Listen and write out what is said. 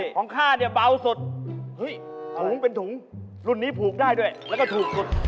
ของข้าเนี่ยเบาสดถูงเป็นถุงรุ่นนี้ถูกป่านได้ด้วยแล้วก็ถูกสุด